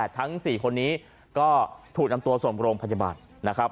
ทั้ง๔คนนี้ก็ถูกนำตัวส่งโรงพยาบาลนะครับ